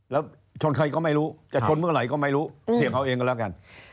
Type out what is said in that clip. แล้วชนใครก็ไม่รู้จะชนเมื่อไหร่ก็ไม่รู้เสียงเขาเองก็แล้วกัน